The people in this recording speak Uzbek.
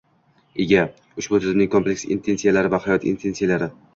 ega. Ushbu tizimning kompleks intensiyalari va hayot intensiyalari